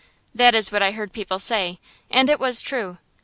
That is what I heard people say, and it was true.